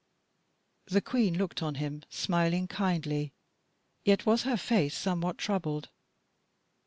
The Queen looked on him smiling kindly, yet was her face somewhat troubled.